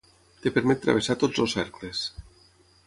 Et permet travessar tots els cercles.